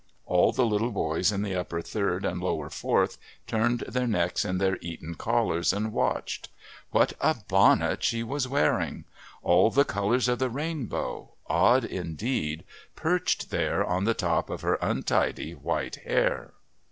All the little boys in the Upper Third and Lower Fourth turned their necks in their Eton collars and watched. What a bonnet she was wearing! All the colours of the rainbow, odd, indeed, perched there on the top of her untidy white hair!